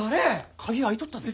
鍵開いとったで。